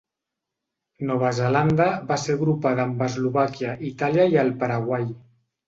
Nova Zelanda va ser agrupada amb Eslovàquia, Itàlia i el Paraguai.